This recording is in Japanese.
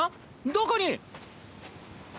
どこに？